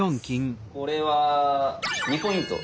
これは２ポイント。